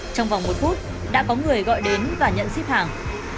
trong vòng một phút đã có người gọi đến và nhận ship hàng